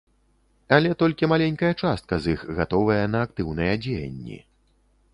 Але толькі маленькая частка з іх гатовая на актыўныя дзеянні.